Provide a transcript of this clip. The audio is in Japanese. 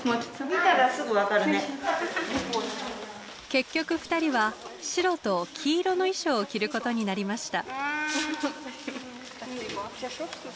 結局二人は白と黄色の衣装を着ることになりました。